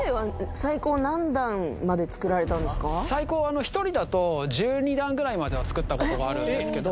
最高は１人だと１２段くらいまでは作ったことがあるんですけど。